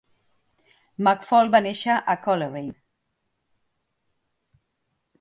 McFaul va néixer a Coleraine.